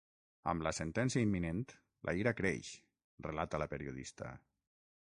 Amb la sentència imminent, la ira creix, relata la periodista.